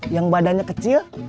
yang badannya kecil